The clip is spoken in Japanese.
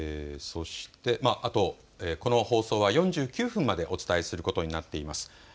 この放送は４９分までお伝えすることになっています。